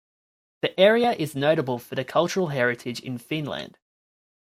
The area is notable for the cultural heritage in Finland.